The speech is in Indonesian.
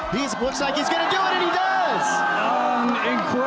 dia akan melakukannya dan melakukannya